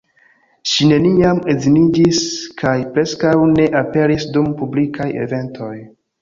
Ŝi neniam edziniĝis kaj preskaŭ ne aperis dum publikaj eventoj.